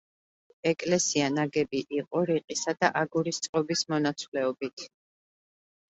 ეკლესია ნაგები იყო რიყისა და აგურის წყობის მონაცვლეობით.